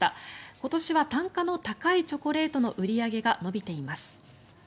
今年は単価の高いチョコレートの売り上げが伸びています。